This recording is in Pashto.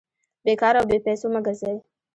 بې کاره او بې پېسو مه ګرځئ!